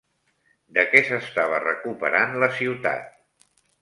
De què s'estava recuperant la ciutat?